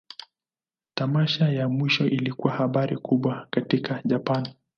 Tamasha ya mwisho ilikuwa habari kubwa katika Japan.